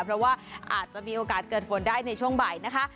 เพราะว่าอาจจะมีโอกาสเกิดฝนได้ในช่วงบ่ายนะคะ